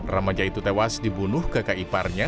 remaja itu tewas dibunuh kakak iparnya